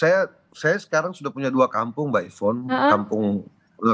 saya sekarang sudah punya dua kampung mbak ifon